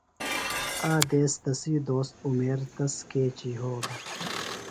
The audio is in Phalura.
آ دیس تسی دوست عُمیر تس کیچیۡ یھولوۡ.